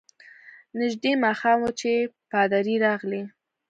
نژدې ماښام وو چي پادري راغلی.